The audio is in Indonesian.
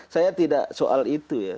saya tidak soal itu ya